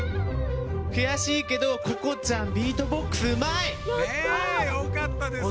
くやしいけどここちゃんビートボックスうまい！よかったですね。